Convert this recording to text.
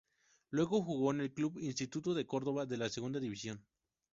Luego jugó en el club Instituto de Córdoba de la Segunda División.